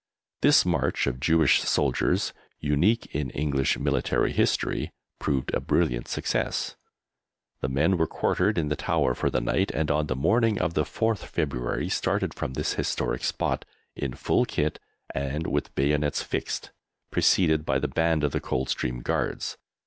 This march of Jewish soldiers, unique in English military history, proved a brilliant success. The men were quartered in the Tower for the night, and on the morning of the 4th February started from this historic spot, in full kit and with bayonets fixed, preceded by the band of the Coldstream Guards.